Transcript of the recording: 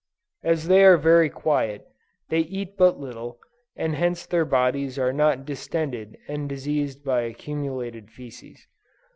As they are very quiet, they eat but little, and hence their bodies are not distended and diseased by accumulated fæces.